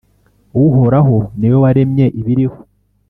Uhoraho ni we waremye ibiriho